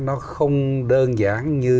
nó không đơn giản như